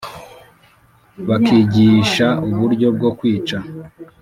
bakigisha uburyo bwo kwica,